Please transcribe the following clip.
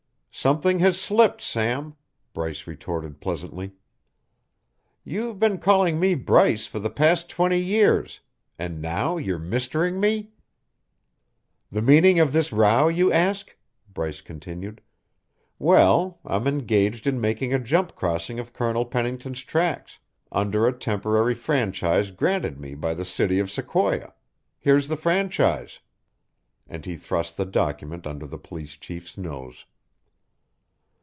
"Something has slipped, Sam," Bryce retorted pleasantly. "You've been calling me Bryce for the past twenty years, and now you're mistering me! The meaning of this row, you ask?" Bryce continued. "Well, I'm engaged in making a jump crossing of Colonel Pennington's tracks, under a temporary franchise granted me by the city of Sequoia. Here's the franchise." And he thrust the document under the police chief's nose.